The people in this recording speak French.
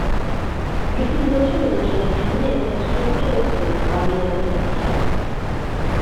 L'utilisation des objets infinis a été un sujet controversé parmi les mathématiciens.